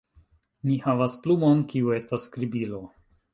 Mi havas plumon kiu estas skribilo